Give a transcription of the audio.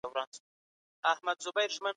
قرآن د اسمانونو په خلقت د فکر غوښتنه کوي.